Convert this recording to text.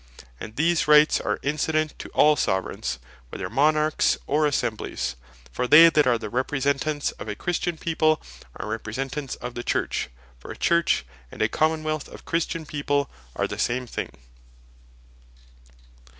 And these Rights are incident to all Soveraigns, whether Monarchs, or Assemblies: for they that are the Representants of a Christian People, are Representants of the Church: for a Church, and a Common wealth of Christian People, are the same thing.